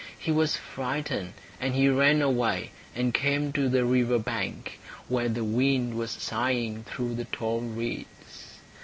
He was frightened, and he ran away, and came to the river bank, where the wind was sighing through the tall reeds.